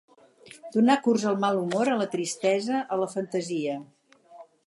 Donar curs al mal humor, a la tristesa, a la fantasia.